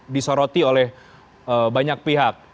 disoroti oleh banyak pihak